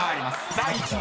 第１問］